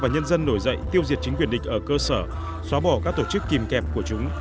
và nhân dân nổi dậy tiêu diệt chính quyền địch ở cơ sở xóa bỏ các tổ chức kìm kẹp của chúng